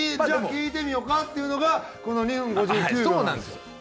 じゃあ聞いてみようかっていうのがこの『２分５９秒』なんですよ。